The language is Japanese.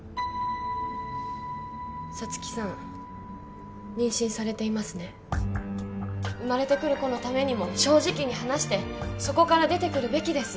皐月さん妊娠されていますね生まれてくる子のためにも正直に話してそこから出てくるべきです